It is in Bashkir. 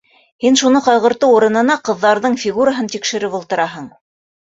Һин шуны ҡайғыртыу урынына ҡыҙҙарҙың фигураһын тикшереп ултыраһың!